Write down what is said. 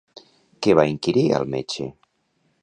Què va inquirir al metge?